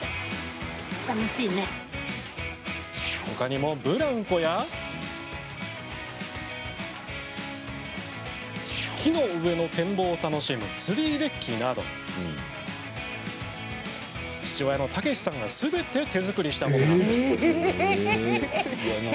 ほかにも、ブランコや木の上の展望を楽しむツリーデッキなど父親の剛司さんがすべて手作りしたものなんです。